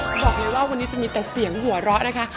บอกเลยว่าวันนี้จะมีแต่เสียงหัวเราะนะคะ